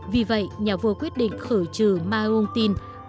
vì vậy nhà vua quyết định khởi trừ maung tin